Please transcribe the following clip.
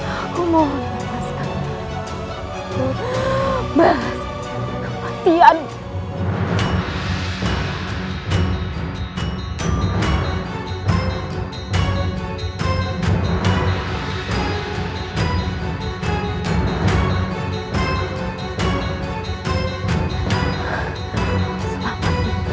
aku mohon lepaskan aku